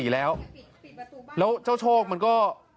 แล้วเจ้าโชคมันก็